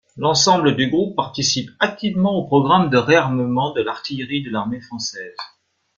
L'ensemble du groupe participe activement au programme de réarmement de l'artillerie de l'armée française.